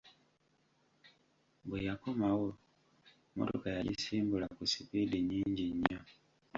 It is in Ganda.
Bwe yakomawo, mmotoka yagisimbula ku sipiidi nyingi nnyo.